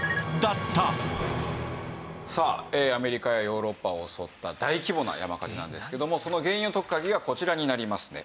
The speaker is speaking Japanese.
さあアメリカやヨーロッパを襲った大規模な山火事なんですけどもその原因を解く鍵がこちらになりますね。